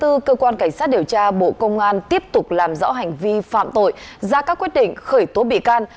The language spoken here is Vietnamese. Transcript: hôm bảy tháng bốn cơ quan cảnh sát điều tra bộ công an tiếp tục làm rõ hành vi phạm tội ra các quyết định khởi tố bị can